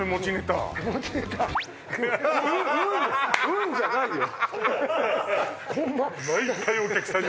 「うん」じゃないよ